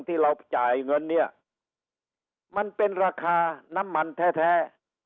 ที่เราจ่ายเงินเนี่ยมันเป็นราคาน้ำมันแท้